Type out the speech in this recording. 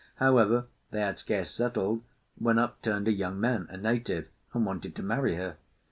However, they had scarce settled, when up turned a young man, a native, and wanted to marry her.